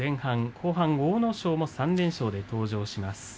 後半は阿武咲も３連勝で登場します。